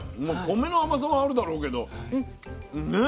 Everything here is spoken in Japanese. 米の甘さはあるだろうけどね。